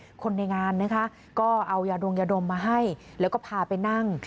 คนในงานนะคะก็เอายาดงยาดมมาให้แล้วก็พาไปนั่ง